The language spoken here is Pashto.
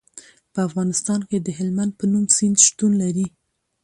په افغانستان کې د هلمند په نوم سیند شتون لري.